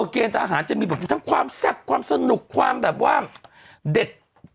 เกณฑ์ทหารจะมีความแซ่บความสนุกความเด็ด